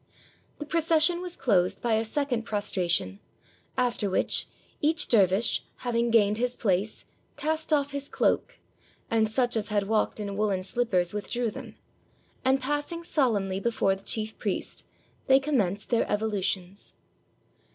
The procession was closed by a second prostration, after which, each dervish, having gained his place, cast off his cloak, and such as had walked in woolen slippers withdrew them, and, passing solemnly 575 TURKEY before the chief priest, they commenced their evolu tions.